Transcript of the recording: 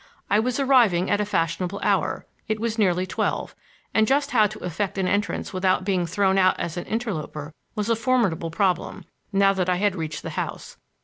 I was arriving at a fashionable hour—it was nearly twelve—and just how to effect an entrance without being thrown out as an interloper was a formidable problem, now that I had reached the house.